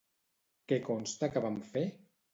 Què consta que van fer?